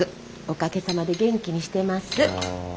おかげさまで元気にしてます。